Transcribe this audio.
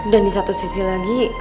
dan di satu sisi lagi